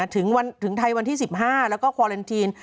ถึงไทยวันที่๑๕แล้วก็คอเลนทีน